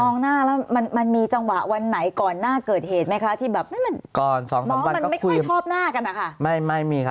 มองหน้าแล้วมันมีจังหวะวันไหนก่อนหน้าเกิดเหตุไหมคะ